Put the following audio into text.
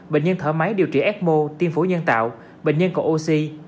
bệnh nhân thở máy điều trị ecmo tiên phủ nhân tạo bệnh nhân có oxy